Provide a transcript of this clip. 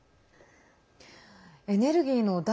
エネルギーの脱